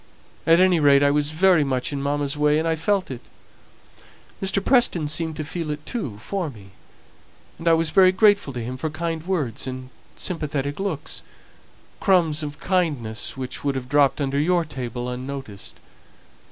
At any rate, I was very much in mamma's way, and I felt it. Mr. Preston seemed to feel it too for me; and I was very grateful to him for kind words and sympathetic looks crumbs of kindness which would have dropped under your table unnoticed.